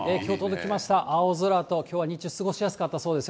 青空ときょうは日中過ごしやすかったそうですよ。